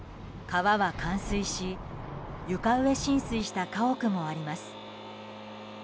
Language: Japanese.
川は冠水し床上浸水した家屋もあります。